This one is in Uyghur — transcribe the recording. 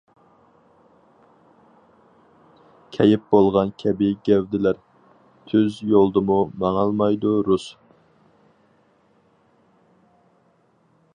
كەيپ بولغان كەبى گەۋدىلەر، تۈز يولدىمۇ ماڭالمايدۇ رۇس.